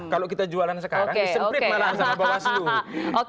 kalau kita jualan sekarang disemprit malah sama bawaslu